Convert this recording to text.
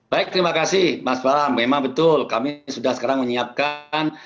baik terima kasih mas bram memang betul kami sudah sekarang menyiapkan